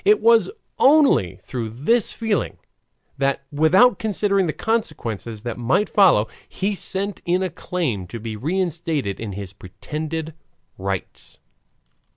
It was only through this feeling that, without considering the consequences that might follow, he sent in a claim to be reinstated in his pretended rights.